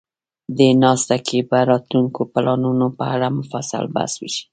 دې ناسته کې به د راتلونکو پلانونو په اړه مفصل بحث وشي.